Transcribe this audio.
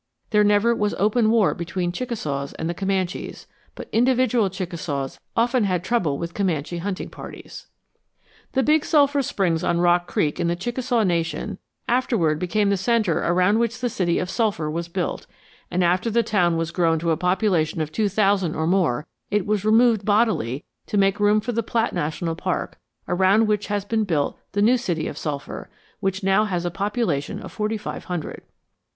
There never was open war between the Chickasaws and the Comanches, but individual Chickasaws often had trouble with Comanche hunting parties. "The Big Sulphur Springs on Rock Creek in the Chickasaw Nation afterward became the centre around which the city of Sulphur was built, and after the town was grown to a population of two thousand or more it was removed bodily to make room for the Platt National Park, around which has been built the new city of Sulphur, which now has a population of forty five hundred.